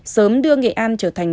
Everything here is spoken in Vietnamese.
sớm đưa nghệ an trở thành